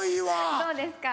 どうですか？